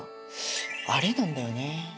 アレなんだよね。